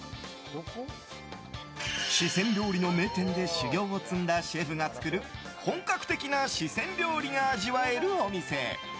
四川料理の名店で修業を積んだシェフが作る本格的な四川料理が味わえるお店。